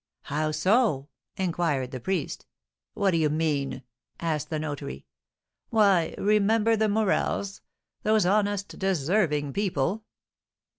"How so?" inquired the priest. "What do you mean?" asked the notary. "Why, remember the Morels, those honest, deserving people."